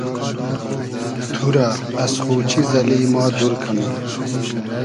تو رۂ از خو چیز اللی ما دور کئنوم